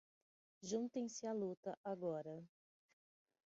juntem-se a luta agora